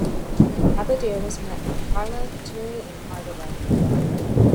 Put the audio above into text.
Abadir was met by the Harla, Gaturi and Argobba.